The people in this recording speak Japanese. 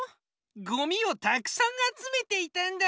ゴミをたくさんあつめていたんだ。